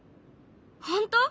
本当？